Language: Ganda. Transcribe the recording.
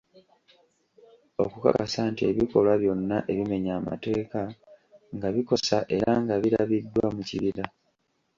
Okukakasa nti ebikolwa byonna ebimenya amateeka nga bikosa era nga birabiddwa mu kibira.